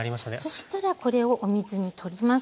そしたらこれをお水に取ります。